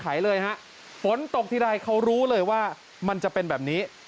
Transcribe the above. เลยฮะฝนตกทีไรเขารู้เลยว่ามันจะเป็นแบบนี้